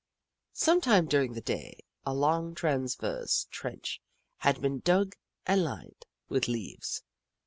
Sometime during the day, a long, trans verse trench had been dug and lined with leaves.